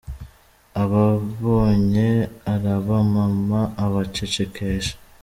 Ababonye arabamama abacecekesha.